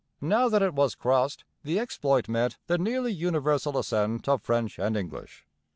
Now that it was crossed, the exploit met 'the nearly universal assent of French and English.'